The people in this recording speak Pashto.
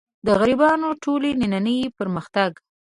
د غربیانو ټول نننۍ پرمختګ.